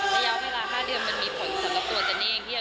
ระยะเวลา๕เดือนมันมีผลสำหรับตัวเจนนี่เอง